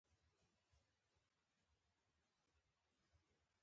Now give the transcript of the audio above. • د ځان لپاره لږ وخت ونیسه، کښېنه.